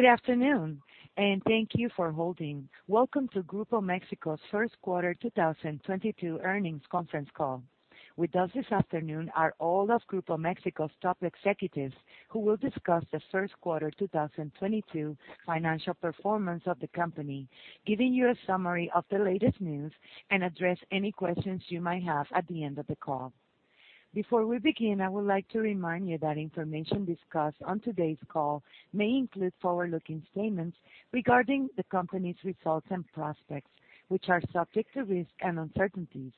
Good afternoon, and thank you for holding. Welcome to Grupo México's First Quarter 2022 Earnings Conference Call. With us this afternoon are all of Grupo México's top executives, who will discuss the first quarter 2022 financial performance of the company, giving you a summary of the latest news and address any questions you might have at the end of the call. Before we begin, I would like to remind you that information discussed on today's call may include forward-looking statements regarding the company's results and prospects, which are subject to risks and uncertainties.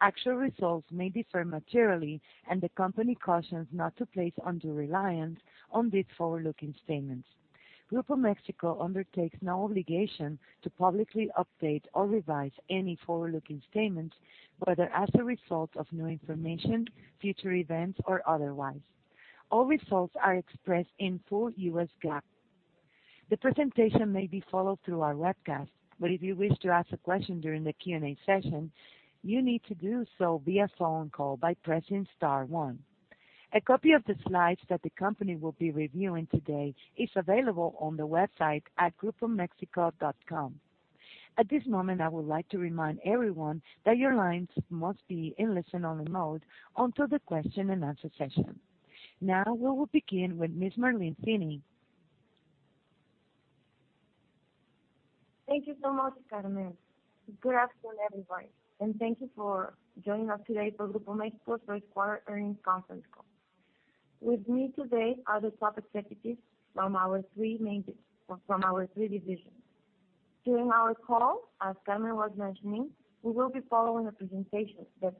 Actual results may differ materially, and the company cautions not to place undue reliance on these forward-looking statements. Grupo México undertakes no obligation to publicly update or revise any forward-looking statements, whether as a result of new information, future events, or otherwise. All results are expressed in full U.S. GAAP. The presentation may be followed through our webcast, but if you wish to ask a question during the Q&A session, you need to do so via phone call by pressing star one. A copy of the slides that the company will be reviewing today is available on the website at www.gmexico.com. At this moment, I would like to remind everyone that your lines must be in listen-only mode until the question and answer session. Now, we will begin with Ms. Marlene de la Torre. Thank you so much, Carmen. Good afternoon, everybody, and thank you for joining us today for Grupo México's First Quarter Earnings Conference Call. With me today are the top executives from our three main divisions. During our call, as Carmen was mentioning, we will be following a presentation that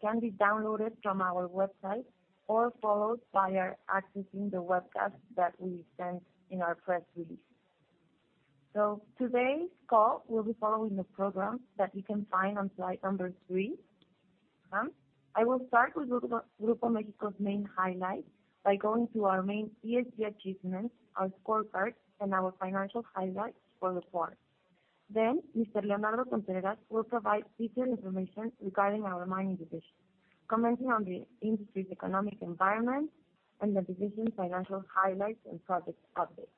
can be downloaded from our website or followed via accessing the webcast that we sent in our press release. Today's call, we'll be following the program that you can find on slide number three. I will start with Grupo México's main highlights by going through our main ESG achievements, our scorecard, and our financial highlights for the quarter. Then Mr. Leonardo Contreras will provide detailed information regarding our mining division, commenting on the industry's economic environment and the division's financial highlights and project updates.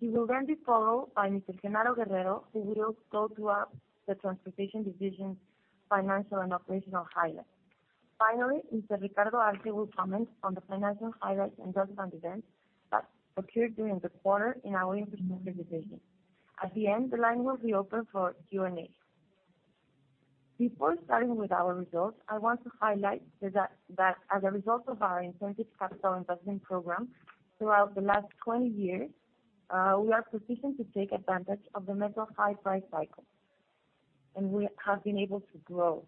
He will then be followed by Mr. Genaro Guerrero, who will go through the transportation division's financial and operational highlights. Finally, Mr. Ricardo Arce Castellanos will comment on the financial highlights and relevant events that occurred during the quarter in our infrastructure division. At the end, the line will be open for Q&A. Before starting with our results, I want to highlight that as a result of our intensive capital investment program throughout the last 20 years, we are positioned to take advantage of the metal high price cycle, and we have been able to grow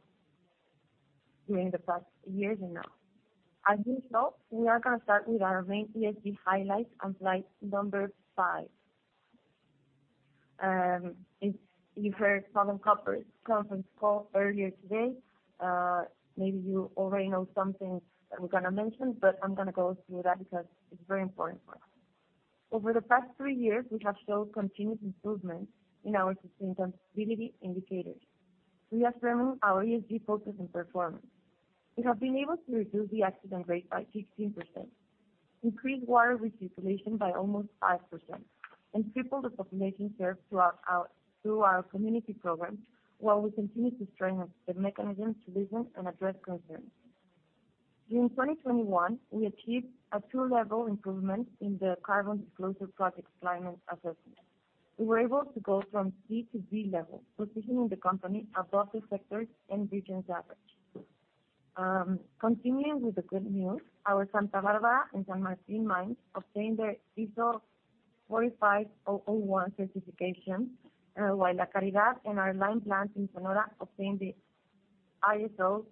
during the past years now. As you know, we are gonna start with our main ESG highlights on slide number five. If you heard Southern Copper Corporation's conference call earlier today, maybe you already know something that we're gonna mention, but I'm gonna go through that because it's very important for us. Over the past three years, we have shown continuous improvement in our sustainability indicators. We have improved our ESG focus and performance. We have been able to reduce the accident rate by 16%, increase water recirculation by almost 5%, and triple the population served through our community program while we continue to strengthen the mechanism to listen and address concerns. During 2021, we achieved a two-level improvement in the Carbon Disclosure Project's climate assessment. We were able to go from C to B level, positioning the company above the sector's and region's average. Continuing with the good news, our Santa Barbara and San Martín mines obtained their ISO 45001 certification, while La Caridad and our lime plant in Sonora obtained the ISO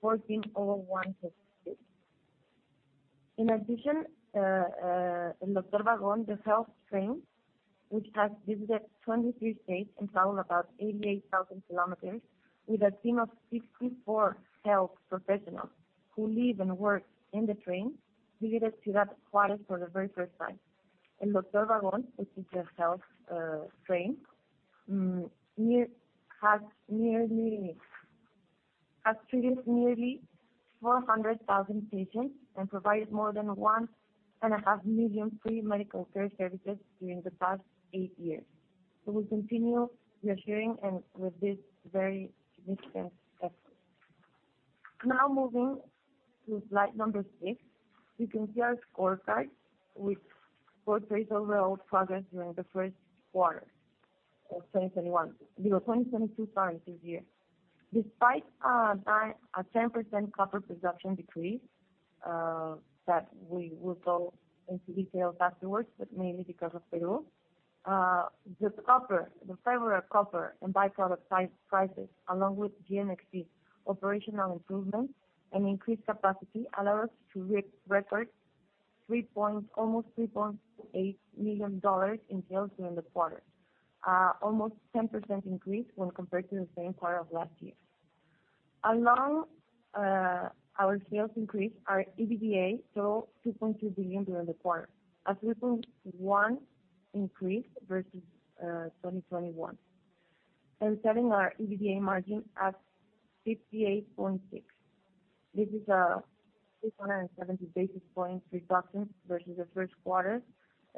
14001 certification. In addition, El Doctor Vagón, The Health Train, which has visited 23 states and traveled about 88,000 kilometers with a team of 64 health professionals who live and work in the train, visited Ciudad Juárez for the very first time. El Doctor Vagón, which is a health train, has treated nearly 400,000 patients and provided more than 1.5 million free medical care services during the past eight years. We continue reassuring with this very significant effort. Now moving to slide number 6, you can see our scorecard, which portrays overall progress during the first quarter of 2022, this year. Despite a 10% copper production decrease that we will go into details afterwards, but mainly because of Peru, the favorable copper and by-product prices, along with GMXT operational improvements and increased capacity allow us to record almost $3.8 billion in sales during the quarter, almost 10% increase when compared to the same quarter of last year. Along with our sales increase, our EBITDA totaled $2.2 billion during the quarter, a 3.1% increase versus 2021. Setting our EBITDA margin at 68.6%. This is a 670 basis point reduction versus the first quarter,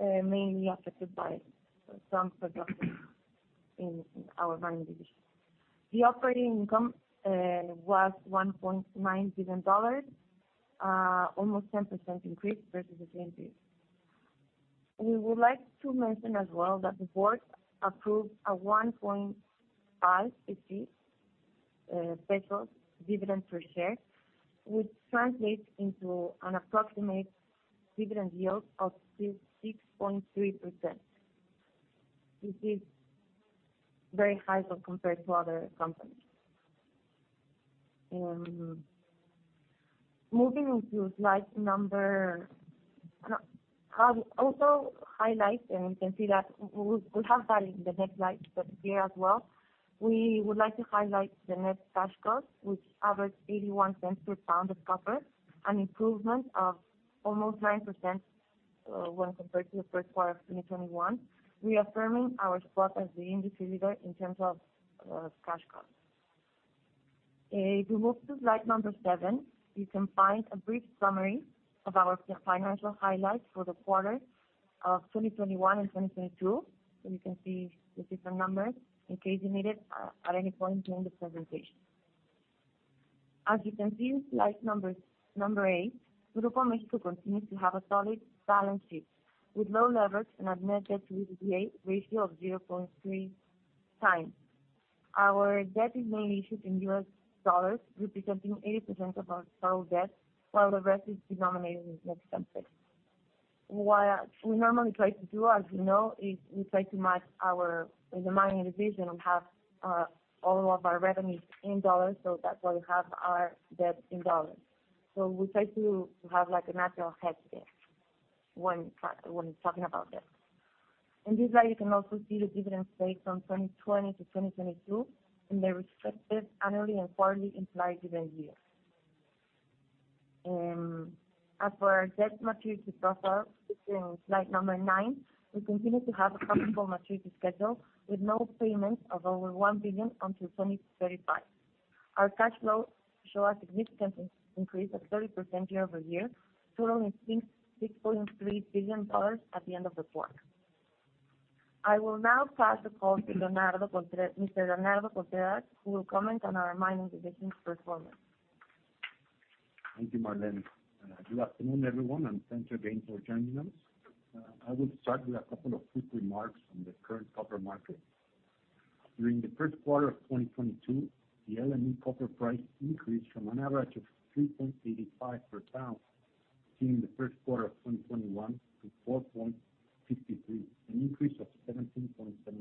mainly affected by some reductions in our mining division. The operating income was $1.9 billion, almost 10% increase versus the same period. We would like to mention as well that the board approved a 1.560 pesos dividend per share, which translates into an approximate dividend yield of 6.6%. This is very high when compared to other companies. You can see that we have that in the next slide, but here as well, we would like to highlight the net cash cost, which averaged $0.81 per pound of copper, an improvement of almost 9% when compared to the first quarter of 2021, reaffirming our spot as the industry leader in terms of cash cost. If you move to slide number seven, you can find a brief summary of our financial highlights for the quarter of 2021 and 2022. You can see the different numbers in case you need it at any point during the presentation. As you can see in slide number eight, Grupo México continues to have a solid balance sheet, with low leverage and a net debt to EBITDA ratio of 0.3x. Our debt is mainly issued in U.S. dollars, representing 80% of our total debt, while the rest is denominated in Mexican pesos. What we normally try to do, as you know, is we try to match our, in the mining division, we have all of our revenues in dollars, so that's why we have our debt in dollars. We try to have like a natural hedge there when talking about debt. In this slide, you can also see the dividend paid from 2020 to 2022 in their respective annual and quarterly implied dividend yield. As for our debt maturity profile, which is in slide number nine, we continue to have a comfortable maturity schedule with no payments of over $1 billion until 2035. Our cash flow shows a significant increase of 30% year-over-year, totaling $6.3 billion at the end of the quarter. I will now pass the call to Mr. Leonardo Contreras, who will comment on our mining division's performance. Thank you, Marlene. Good afternoon, everyone, and thanks again for joining us. I will start with a couple of quick remarks on the current copper market. During the first quarter of 2022, the LME copper price increased from an average of $3.85 per pound in the first quarter of 2021 to $4.53, an increase of 17.7%.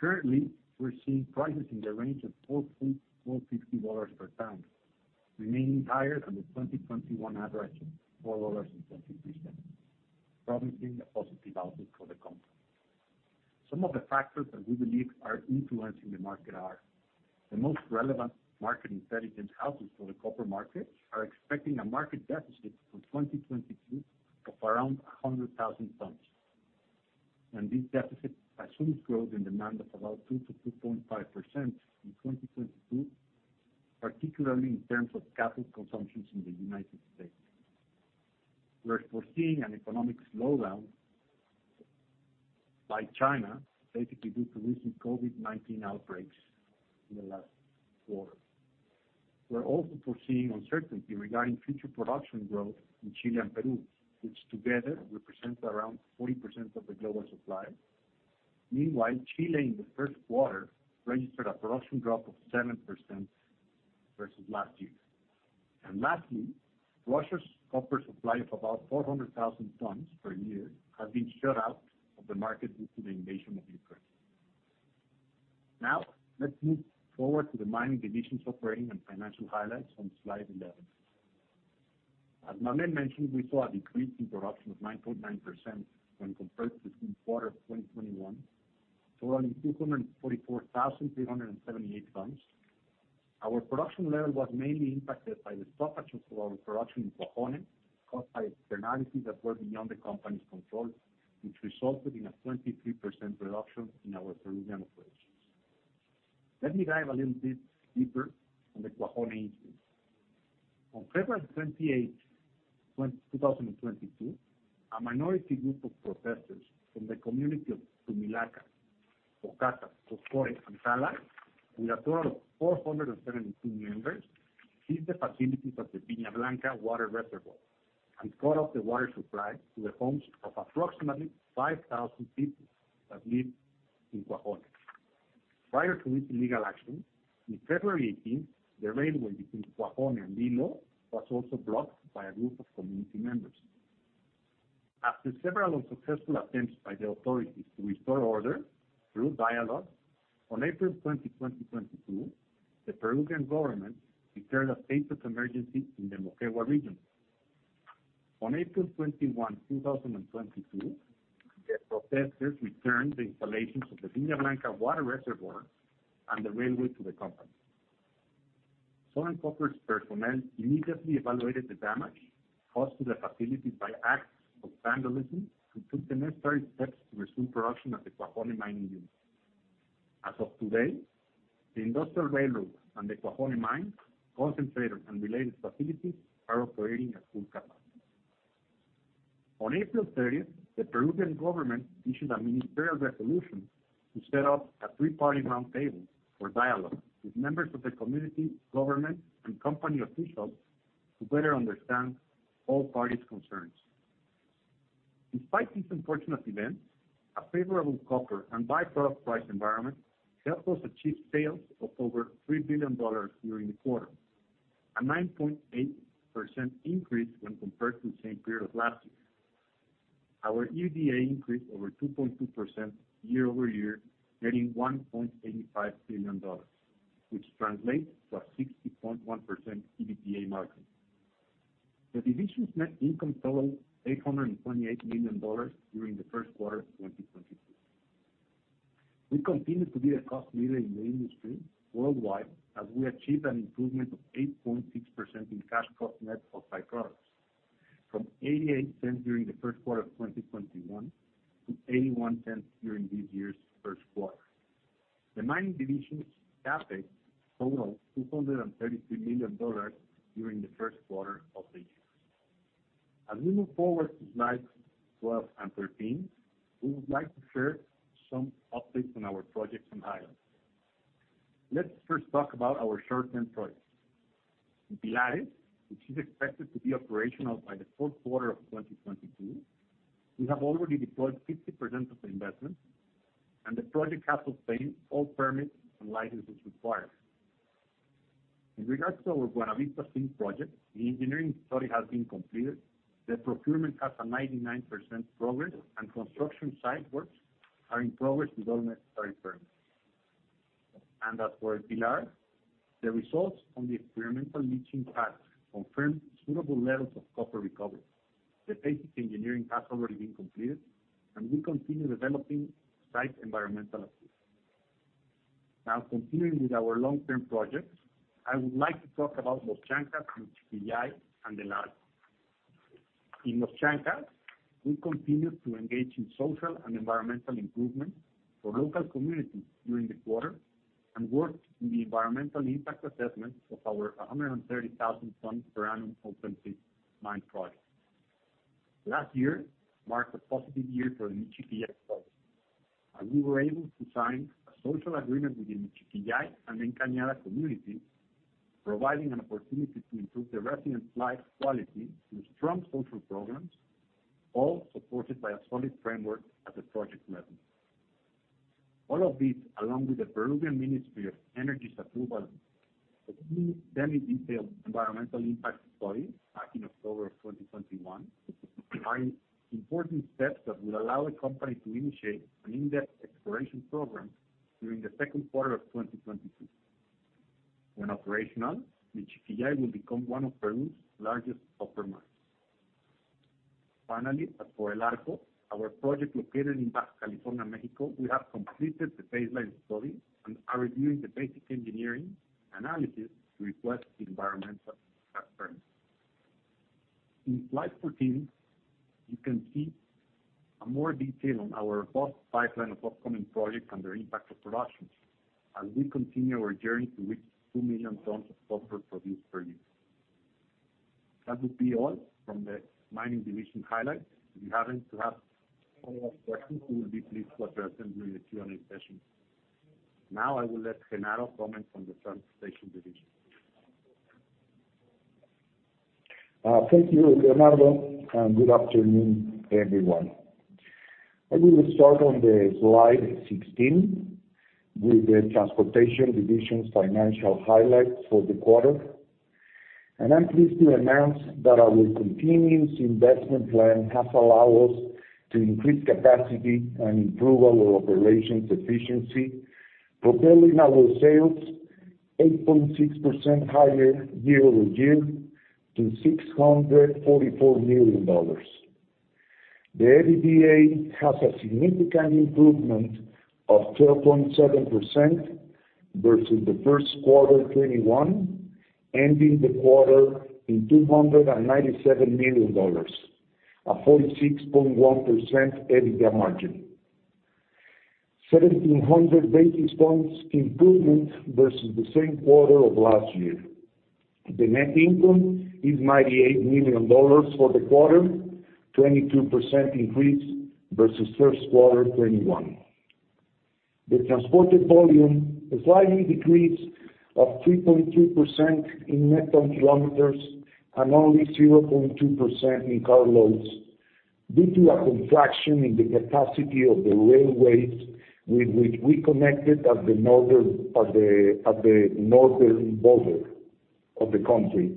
Currently, we're seeing prices in the range of $4.45 per pound, remaining higher than the 2021 average of $4.73, promising a positive outlook for the company. Some of the factors that we believe are influencing the market are the most relevant market intelligence houses for the copper market are expecting a market deficit for 2022 of around 100,000 tons. This deficit assumes growth in demand of about 2%-2.5% in 2022, particularly in terms of capital consumptions in the United States. We're foreseeing an economic slowdown by China, basically due to recent COVID-19 outbreaks in the last quarter. We're also foreseeing uncertainty regarding future production growth in Chile and Peru, which together represent around 40% of the global supply. Meanwhile, Chile in the first quarter registered a production drop of 7% versus last year. Lastly, Russia's copper supply of about 400,000 tons per year has been shut out of the market due to the invasion of Ukraine. Now, let's move forward to the mining division's operating and financial highlights on slide 11. As Marlene mentioned, we saw a decrease in production of 9.9% when compared to the same quarter of 2021, totaling 244,378 tons. Our production level was mainly impacted by the stoppages of our production in Cuajone, caused by externalities that were beyond the company's control, which resulted in a 23% reduction in our Peruvian operations. Let me dive a little bit deeper on the Cuajone incident. On February 28, 2022, a minority group of protesters from the community of Tumilaca, Pocata, Coscore and Talas, with a total of 472 members, seized the facilities of the Viña Blanca water reservoir and cut off the water supply to the homes of approximately 5,000 people that live in Cuajone. Prior to this illegal action, on February 18, the railway between Cuajone and Ilo was also blocked by a group of community members. After several unsuccessful attempts by the authorities to restore order through dialogue, on April 20, 2022, the Peruvian government declared a state of emergency in the Moquegua region. On April 21, 2022, the protesters returned the installations of the Viña Blanca water reservoir and the railway to the company. Southern Copper's personnel immediately evaluated the damage caused to the facility by acts of vandalism and took the necessary steps to resume production at the Cuajone mining unit. As of today, the industrial railroad and the Cuajone mine concentrator and related facilities are operating at full capacity. On April thirtieth, the Peruvian government issued a ministerial resolution to set up a three-party roundtable for dialogue with members of the community, government, and company officials to better understand all parties' concerns. Despite this unfortunate event, a favorable copper and by-product price environment helped us achieve sales of over $3 billion during the quarter, a 9.8% increase when compared to the same period last year. Our EBITDA increased over 2.2% year-over-year, nearing $1.85 billion, which translates to a 60.1% EBITDA margin. The division's net income totaled $828 million during the first quarter of 2022. We continue to be the cost leader in the industry worldwide, as we achieved an improvement of 8.6% in cash cost net of by-products, from $0.88 during the first quarter of 2021 to $0.81 during this year's first quarter. The mining division's CapEx totaled $233 million during the first quarter of the year. As we move forward to slides 12 and 13, we would like to share some updates on our projects and highlights. Let's first talk about our short-term projects. In Pilares, which is expected to be operational by the fourth quarter of 2022, we have already deployed 50% of the investment, and the project has obtained all permits and licenses required. In regards to our Buenavista Zinc project, the engineering study has been completed. The procurement has a 99% progress, and construction site works are in progress with all necessary permits. As for El Pilar, the results from the experimental leaching tests confirm suitable levels of copper recovery. The basic engineering has already been completed, and we continue developing site environmental studies. Now, continuing with our long-term projects, I would like to talk about Los Chancas, Michiquillay, and El Arco. In Los Chancas, we continued to engage in social and environmental improvements for local communities during the quarter, and worked in the environmental impact assessment of our 130,000 tons per annum open pit mine project. Last year marked a positive year for the Michiquillay project, and we were able to sign a social agreement with the Michiquillay and Encañada communities, providing an opportunity to improve the residents' life quality through strong social programs, all supported by a solid framework at the project level. All of this, along with the Ministry of Energy and Mines of Peru's approval of the semi-detailed environmental impact study back in October of 2021, are important steps that will allow the company to initiate an in-depth exploration program during the second quarter of 2022. When operational, Michiquillay will become one of Peru's largest copper mines. Finally, as for El Arco, our project located in Baja California, Mexico, we have completed the baseline study and are reviewing the basic engineering analysis to request the environmental impact permit. In slide 14, you can see more detail on our robust pipeline of upcoming projects and their impact to production as we continue our journey to reach 2 million tons of copper produced per year. That would be all from the mining division highlights. If you happen to have follow-up questions, we will be pleased to address them during the Q&A session. Now, I will let Genaro comment on the transportation division. Thank you, Leonardo, and good afternoon, everyone. I will start on the slide 16 with the transportation division's financial highlights for the quarter. I'm pleased to announce that our continuous investment plan has allowed us to increase capacity and improve our operational efficiency, propelling our sales 8.6% higher year-over-year to $644 million. The EBITDA has a significant improvement of 12.7% versus the first quarter 2021, ending the quarter in $297 million, a 46.1% EBITDA margin. 1,700 basis points improvement versus the same quarter of last year. The net income is $98 million for the quarter, 22% increase versus first quarter 2021. The transported volume slightly decreased by 3.3% in net ton-kilometers and only 0.2% in car loads due to a contraction in the capacity of the railways with which we connected at the northern border of the country,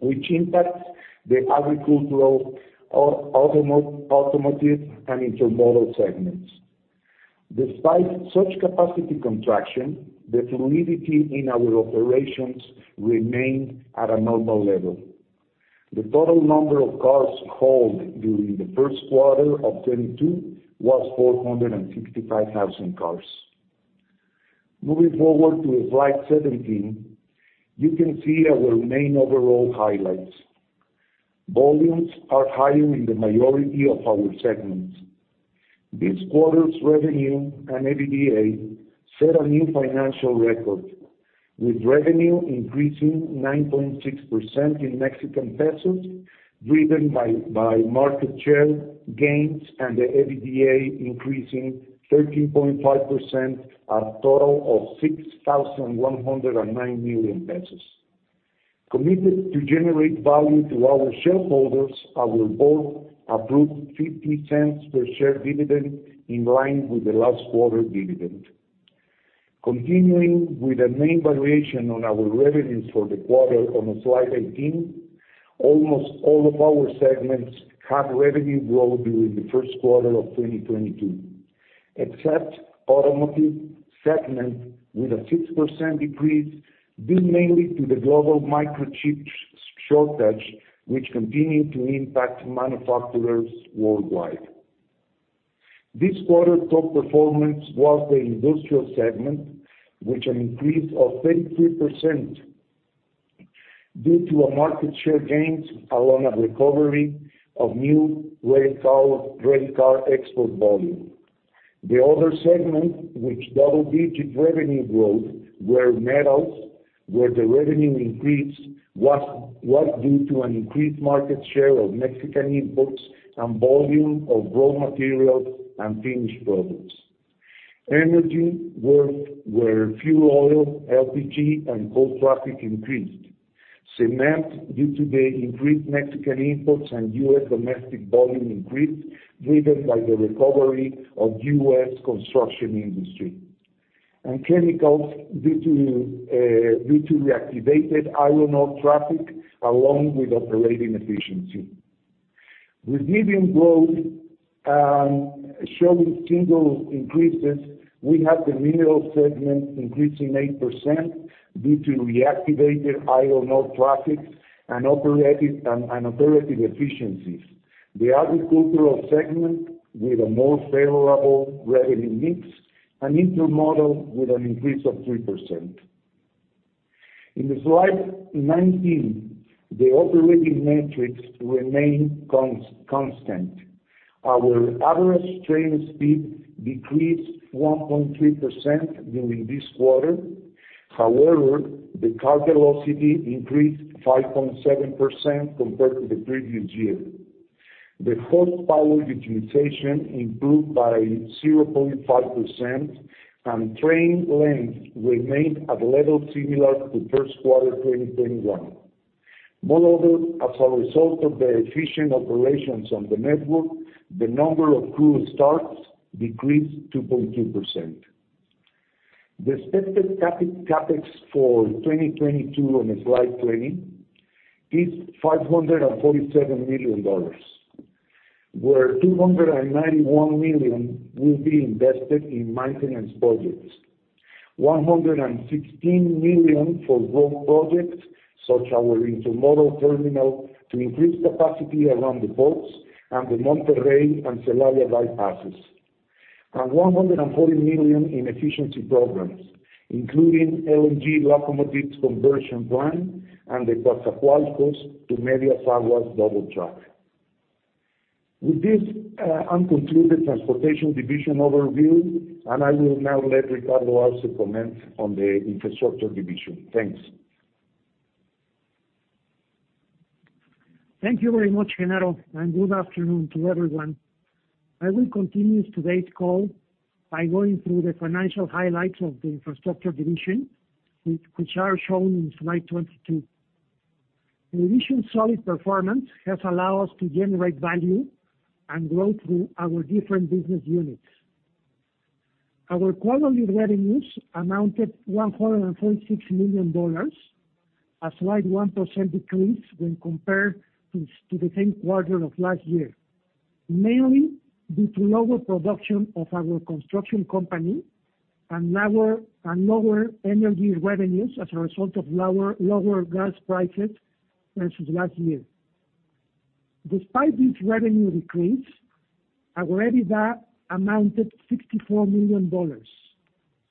which impacts the agricultural, automotive, and intermodal segments. Despite such capacity contraction, the fluidity in our operations remained at a normal level. The total number of cars hauled during the first quarter of 2022 was 465,000 cars. Moving forward to the slide 17, you can see our main overall highlights. Volumes are higher in the majority of our segments. This quarter's revenue and EBITDA set a new financial record, with revenue increasing 9.6% in Mexican pesos, driven by market share gains and the EBITDA increasing 13.5%, a total of 6,109 million pesos. Committed to generate value to our shareholders, our board approved $0.50 per share dividend in line with the last quarter dividend. Continuing with the main variation on our revenues for the quarter on slide 18, almost all of our segments had revenue growth during the first quarter of 2022, except automotive segment with a 6% decrease due mainly to the global microchip shortage, which continued to impact manufacturers worldwide. This quarter top performance was the industrial segment, with an increase of 33% due to a market share gains along a recovery of new rail car export volume. The other segment which double-digit revenue growth were metals, where the revenue increase was due to an increased market share of Mexican imports and volume of raw materials and finished products. Energy were fuel oil, LPG, and coal traffic increased. Cement, due to the increased Mexican imports and U.S. domestic volume increased driven by the recovery of U.S. construction industry. Chemicals due to reactivated iron ore traffic along with operating efficiency. With medium growth showing single increases, we have the mineral segment increasing 8% due to reactivated iron ore traffic and operative efficiencies. The agricultural segment with a more favorable revenue mix. Intermodal with an increase of 3%. In slide 19, the operating metrics remain constant. Our average train speed decreased 1.3% during this quarter. However, the car velocity increased 5.7% compared to the previous year. The full power utilization improved by 0.5%, and train length remained at levels similar to first quarter 2021. Moreover, as a result of the efficient operations on the network, the number of crew starts decreased 2.2%. The expected CapEx for 2022 on slide 20 is $547 million, where $291 million will be invested in maintenance projects. $116 million for growth projects, such as our intermodal terminal to increase capacity around the ports and the Monterrey and Celaya bypasses. $140 million in efficiency programs, including LNG locomotives conversion plan and the Coatzacoalcos to Medias Aguas double track. With this, I'm concluded transportation division overview, and I will now let Ricardo Arce comment on the infrastructure division. Thanks. Thank you very much, Genaro, and good afternoon to everyone. I will continue today's call by going through the financial highlights of the infrastructure division, which are shown in slide 22. The division's solid performance has allowed us to generate value and grow through our different business units. Our quality revenues amounted $146 million, a slight 1% decrease when compared to the same quarter of last year, mainly due to lower production of our construction company and lower energy revenues as a result of lower gas prices versus last year. Despite this revenue decrease, our EBITDA amounted $64 million,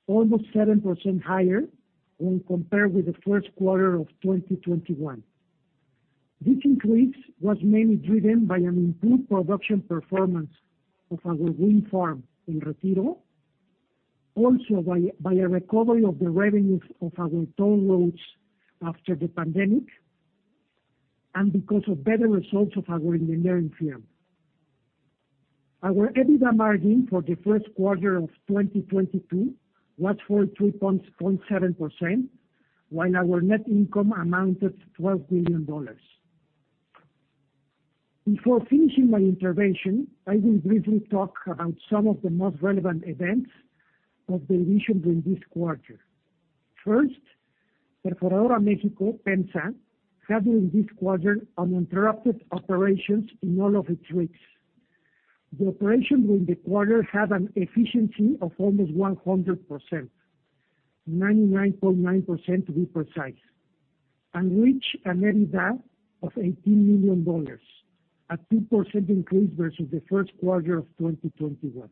almost 7% higher when compared with the first quarter of 2021. This increase was mainly driven by an improved production performance of our wind farm in El Retiro, also by a recovery of the revenues of our toll roads after the pandemic, and because of better results of our engineering firm. Our EBITDA margin for the first quarter of 2022 was 43.7%, while our net income amounted to $12 million. Before finishing my intervention, I will briefly talk about some of the most relevant events of the division during this quarter. First, Ferrocarril Mexicano, Ferromex, had in this quarter uninterrupted operations in all of its routes. The operation during the quarter had an efficiency of almost 100%, 99.9% to be precise, and reached an EBITDA of $18 million, a 2% increase versus the first quarter of 2021.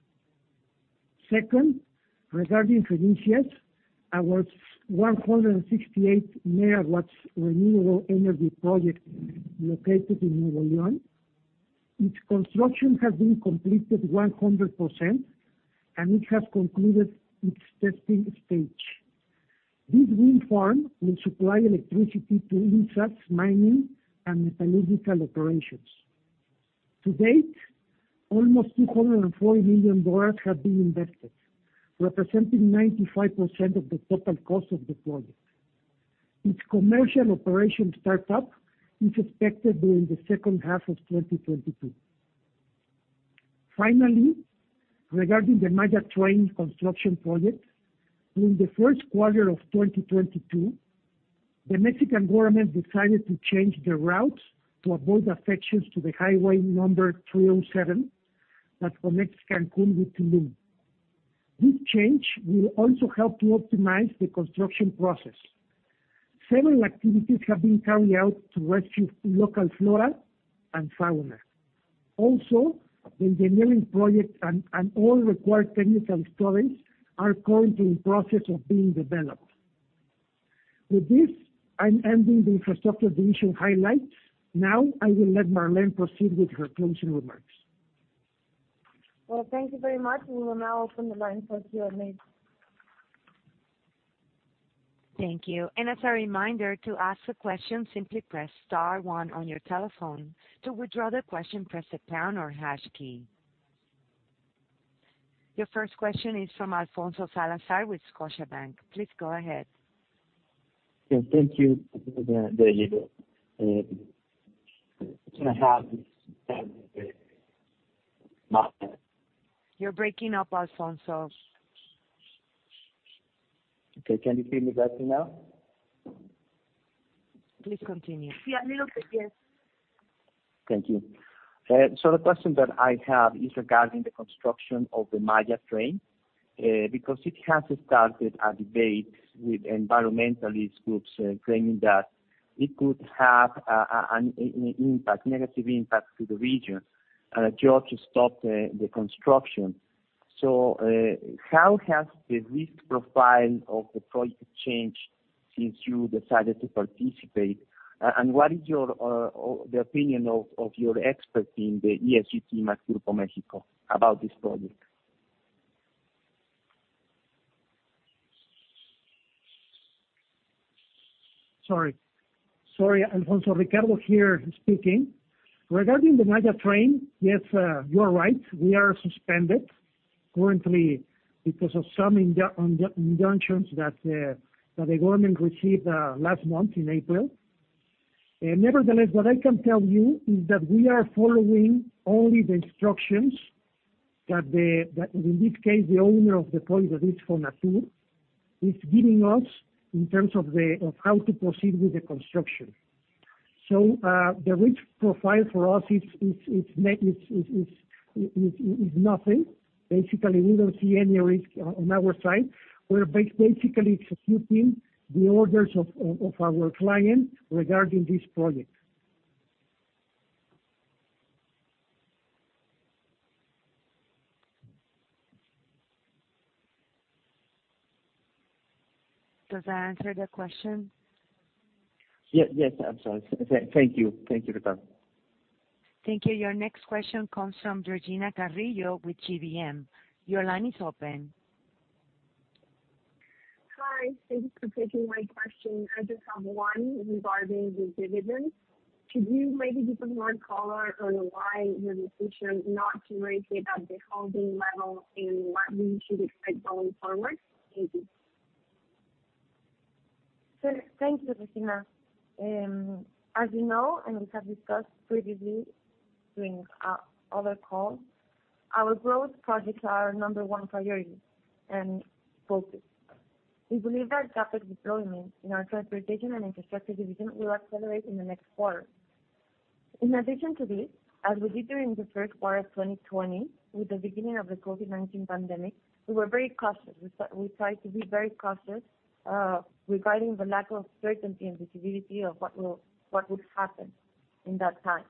Second, regarding Fenicias, our 168 MW renewable energy project located in Nuevo León, its construction has been completed 100%, and it has concluded its testing stage. This wind farm will supply electricity to our mining and metallurgical operations. To date, almost $240 million have been invested, representing 95% of the total cost of the project. Its commercial operation startup is expected during the second half of 2022. Finally, regarding the Maya Train construction project, during the first quarter of 2022, the Mexican government decided to change the routes to avoid affecting the highway number 307 that connects Cancún with Tulum. This change will also help to optimize the construction process. Several activities have been carried out to rescue local flora and fauna. Also, the engineering project and all required technical studies are currently in process of being developed. With this, I'm ending the infrastructure division highlights. Now I will let Marlene proceed with her closing remarks. Well, thank you very much. We will now open the line for Q&A. Thank you. As a reminder, to ask a question simply press star one on your telephone. To withdraw the question, press the pound or hash key. Your first question is from Alfonso Salazar with Scotiabank. Please go ahead. Yeah. Thank you, Danilo. Can I have the master? You're breaking up, Alfonso. Okay. Can you hear me better now? Please continue. Yeah, a little bit, yes. Thank you. The question that I have is regarding the construction of the Maya Train, because it has started a debate with environmentalist groups, claiming that it could have a negative impact to the region, a judge stopped the construction. How has the risk profile of the project changed since you decided to participate? And what is your or the opinion of your expert in the ESG team at Grupo México about this project? Sorry. Sorry, Alfonso. Ricardo here speaking. Regarding the Maya Train, yes, you are right. We are suspended currently because of some injunctions that the government received last month in April. Nevertheless, what I can tell you is that we are following only the instructions that in this case the owner of the project, which FONATUR, is giving us in terms of how to proceed with the construction. The risk profile for us is nothing. Basically, we don't see any risk on our side. We're basically executing the orders of our client regarding this project. Does that answer the question? Yes, absolutely. Thank you. Thank you, Ricardo. Thank you. Your next question comes from Regina Carrillo with GBM. Your line is open. Hi. Thank you for taking my question. I just have one regarding the dividend. Could you maybe give us more color on why your decision not to raise it at the holding level and what we should expect going forward? Thank you. Thank you, Regina. As you know, we have discussed previously during other calls, our growth projects are our number one priority and focus. We believe that capital deployment in our transportation and infrastructure division will accelerate in the next quarter. In addition to this, as we did during the first quarter of 2020, with the beginning of the COVID-19 pandemic, we were very cautious. We tried to be very cautious regarding the lack of certainty and visibility of what would happen in that time.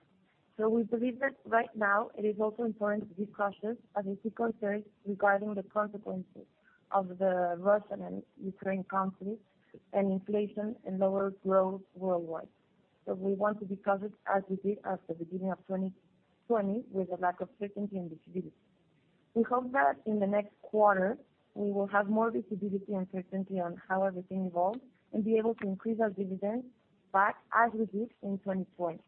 We believe that right now it is also important to be cautious as we see concerns regarding the consequences of the Russia-Ukraine conflict and inflation and lower growth worldwide. We want to be cautious as we did at the beginning of 2020 with a lack of certainty and visibility. We hope that in the next quarter, we will have more visibility and certainty on how everything evolves and be able to increase our dividends back as we did in 2020.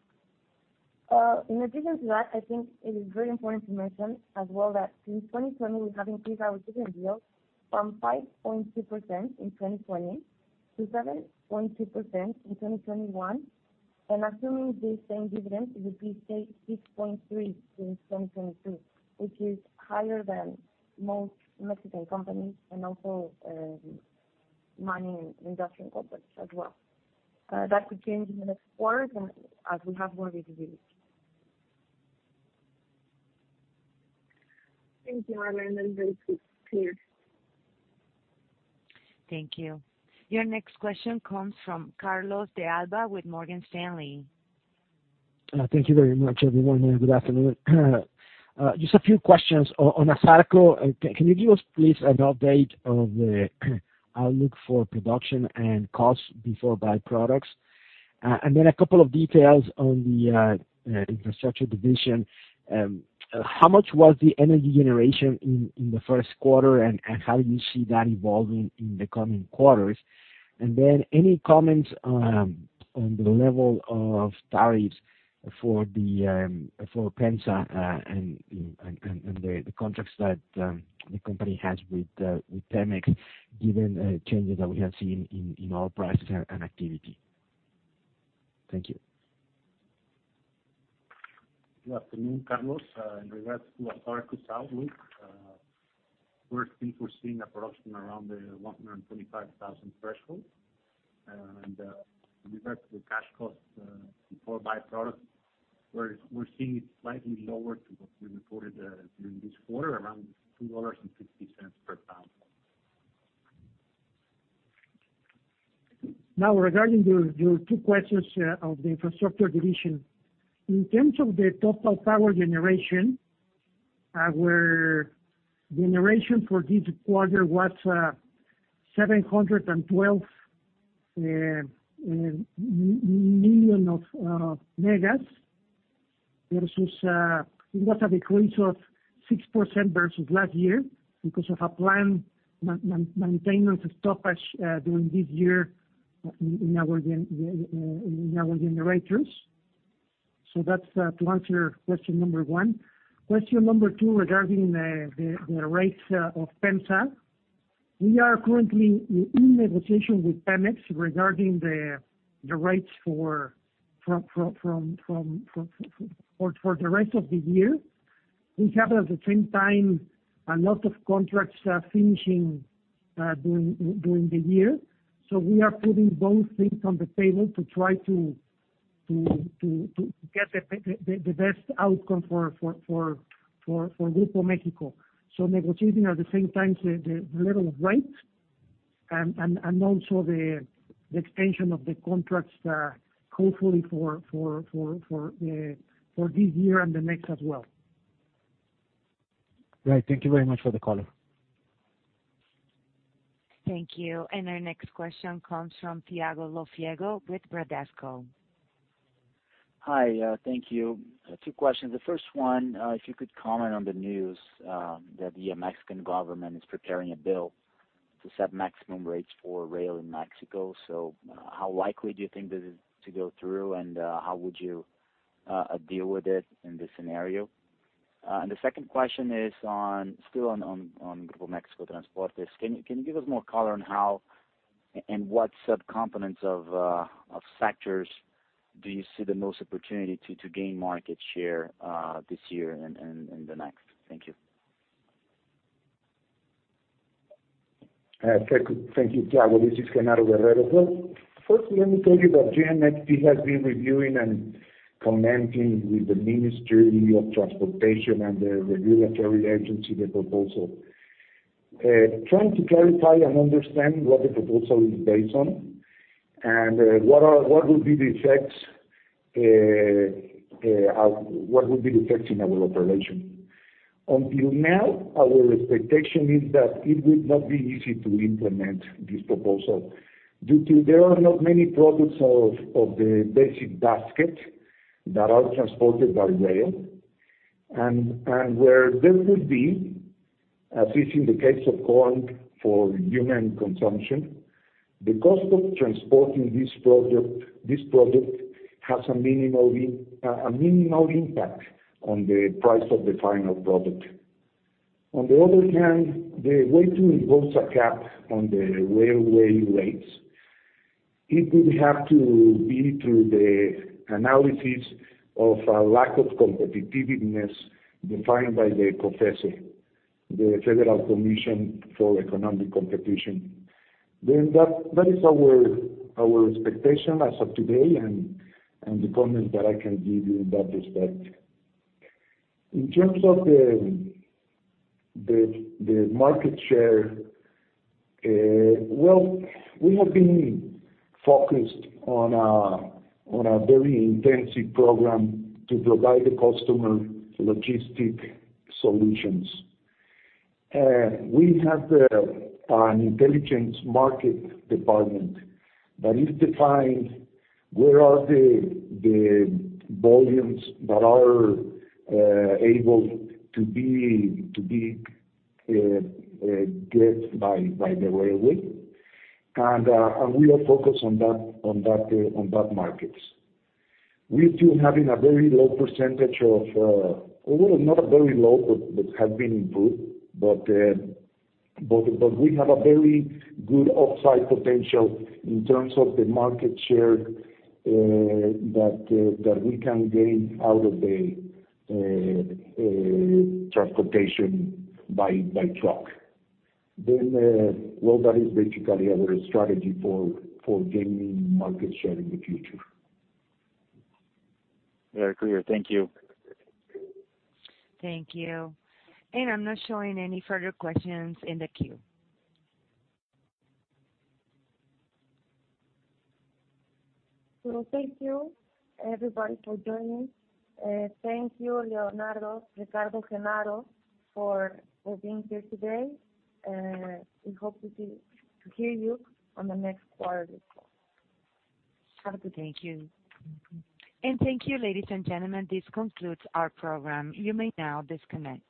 In addition to that, I think it is very important to mention as well that since 2020 we have increased our dividend yield from 5.2% in 2020 to 7.2% in 2021. Assuming the same dividend, it would be, say, 6.3% in 2022, which is higher than most Mexican companies and also. Mining and industrial complex as well. That could change in the next quarter as we have more reviews. Thank you, Marlene. That was very clear. Thank you. Your next question comes from Carlos de Alba with Morgan Stanley. Thank you very much, everyone. Good afternoon. Just a few questions. On ASARCO, can you give us please an update of the outlook for production and costs before byproducts? A couple of details on the infrastructure division. How much was the energy generation in the first quarter, and how do you see that evolving in the coming quarters? Any comments on the level of tariffs for PEMSA and the contracts that the company has with Pemex, given the changes that we have seen in oil prices and activity? Thank you. Good afternoon, Carlos. In regard to ASARCO's outlook, we're still foreseeing a production around the 125,000 threshold. In regard to the cash costs before byproducts, we're seeing it slightly lower than what we reported during this quarter, around $2.60 per pound. Now regarding your two questions of the infrastructure division. In terms of the total power generation, our generation for this quarter was 712 million MWh. It was a decrease of 6% versus last year because of a planned maintenance stoppage during this year in our generators. That's to answer question number one. Question number two regarding the rates of PEMSA. We are currently in negotiation with Pemex regarding the rates for the rest of the year. We have at the same time a lot of contracts finishing during the year. We are putting those things on the table to try to get the best outcome for Grupo México. Negotiating at the same time the level of rates and also the extension of the contracts, hopefully for this year and the next as well. Right. Thank you very much for the call. Thank you. Our next question comes from Thiago Lofiego with Bradesco. Hi. Thank you. Two questions. The first one, if you could comment on the news that the Mexican government is preparing a bill to set maximum rates for rail in Mexico. How likely do you think this is to go through, and how would you deal with it in this scenario? The second question is on still on Grupo México Transportes. Can you give us more color on how and what subcomponents of sectors do you see the most opportunity to gain market share this year and the next? Thank you. Thank you. Thank you, Thiago. This is Genaro Guerrero. Well, first let me tell you that GMXT has been reviewing and commenting with the Ministry of Transportation and the regulatory agency the proposal, trying to clarify and understand what the proposal is based on and what would be the effects in our operation. Until now, our expectation is that it would not be easy to implement this proposal due to there are not many products of the basic basket that are transported by rail. Where this would be, as is in the case of corn for human consumption, the cost of transporting this product has a minimal impact on the price of the final product. On the other hand, the way to impose a cap on the railway rates, it would have to be through the analysis of a lack of competitiveness defined by the COFECE, the Federal Economic Competition Commission. That is our expectation as of today and the comment that I can give you in that respect. In terms of the market share, we have been focused on a very intensive program to provide the customer logistics solutions. We have a market intelligence department that is defined where are the volumes that are able to be get by the railway. We are focused on that markets. We still having a very low percentage of. Not very low, but that have been improved. We have a very good upside potential in terms of the market share that we can gain out of the transportation by truck. Well, that is basically our strategy for gaining market share in the future. Very clear. Thank you. Thank you. I'm not showing any further questions in the queue. Well, thank you, everybody, for joining. Thank you, Leonardo, Ricardo, Genaro, for being here today. We hope to hear you on the next quarterly call. Thank you. Thank you, ladies and gentlemen. This concludes our program. You may now disconnect.